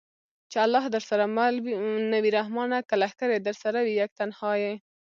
چې الله درسره مل نه وي رحمانه! که لښکرې درسره وي یک تنها یې